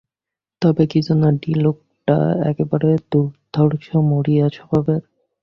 তবে কী জানো, ডি-লোকটা একেবারে দুর্ধর্ষ মরিয়া স্বভাবের।